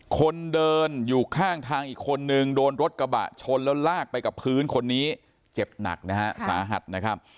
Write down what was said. คนเดินอยู่ข้างทางอีกคนนึงโดนรถกระบะชนแล้วลากไปกับพื้นคนนี้เจ็บหนักนะฮะสาหัสนะครับ